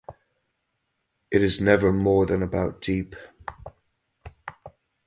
It is never more than about deep.